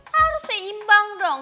harus seimbang dong